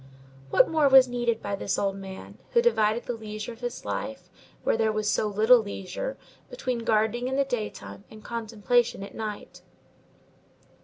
What more was needed by this old man, who divided the leisure of his life, where there was so little leisure, between gardening in the daytime and contemplation at night?